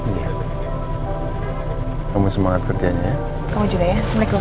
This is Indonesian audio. iya kamu semangat kerjanya kamu juga ya assalamualaikum